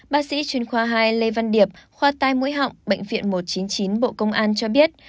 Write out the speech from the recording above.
bác sĩ chuyên khoa hai lê văn điệp khoa tai mũi họng bệnh viện một trăm chín mươi chín bộ công an cho biết